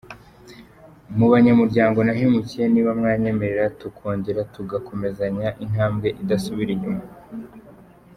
mu banyamuryango nahemukiye niba mwanyemerera tukongera tugakomezanya Intambwe idasubira inyuma.